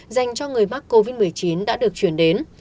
dành cho người mắc covid một mươi chín đã được chuyển đến